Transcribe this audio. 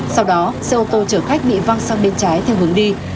sau đó xe ô tô chở khách bị văng sang bên trái theo hướng đi